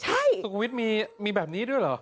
ใช่สุขวิทย์มีแบบนี้ด้วยเหรอ